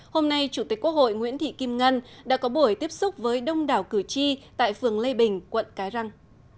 hôm nay chủ tịch quốc hội nguyễn thị kim ngân đã có buổi tiếp xúc với đông đảo cử tri tại phường lê bình quận cái răng